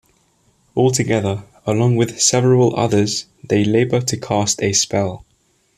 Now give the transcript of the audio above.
All together, along with several others, they labor to cast a spell.